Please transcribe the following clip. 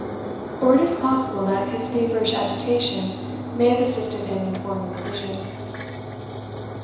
Or it is possible that his feverish agitation may have assisted him in forming the vision.